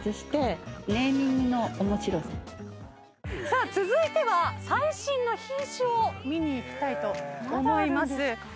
さあ続いては最新の品種を見に行きたいと思います。